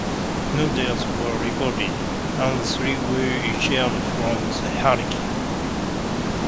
No deaths were reported, and three were injured from the hurricane.